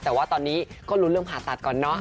แต่ว่าตอนนี้ก็ลุ้นเรื่องผ่าตัดก่อนเนาะ